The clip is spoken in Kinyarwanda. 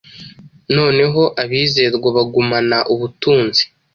Noneho abizerwa bagumana ubutunzi